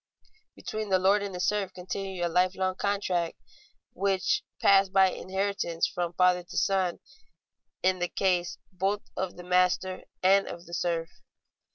Between the lord and the serf continued a lifelong contract, which passed by inheritance from father to son, in the case both of the master and of the serf.